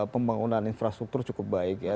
pembangunan infrastruktur cukup baik ya